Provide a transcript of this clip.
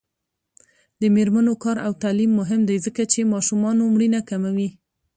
د میرمنو کار او تعلیم مهم دی ځکه چې ماشومانو مړینه کموي.